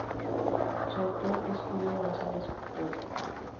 Su autor es Julio González Pola.